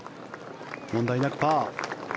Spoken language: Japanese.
問題なくパー。